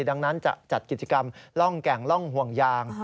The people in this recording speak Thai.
ดังนั้นจะจัดกิจกรรมร่องแก่งล่องห่วงยาง